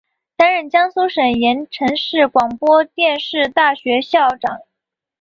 担任江苏省盐城市广播电视大学校长。